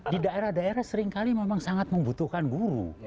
di daerah daerah seringkali memang sangat membutuhkan guru